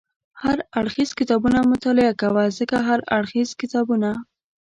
هر اړخیز کتابونه مطالعه کوه، ځکه هر اړخیز کتابونه